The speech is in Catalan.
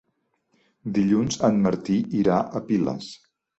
Dilluns en Martí irà a Piles.